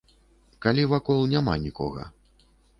Калі вакол няма нікога.